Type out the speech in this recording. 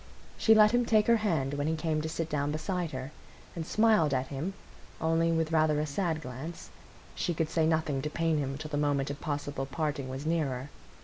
She let him take her hand when he came to sit down beside her, and smiled at him, only with rather a sad glance; she could say nothing to pain him till the moment of possible parting was nearer.